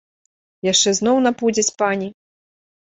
Яшчэ зноў напудзяць пані?